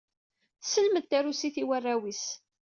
Tesselmed tarusit i warraw-is.